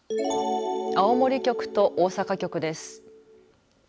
青森局と大阪局です。